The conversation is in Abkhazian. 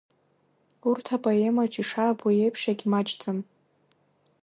Урҭ, апоемаҿ ишаабо еиԥш, иагьмаҷӡам.